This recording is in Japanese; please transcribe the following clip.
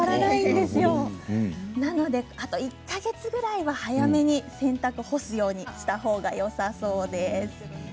ですので、あと１か月ぐらいは早めに洗濯を干すようにしたほうがよさそうです。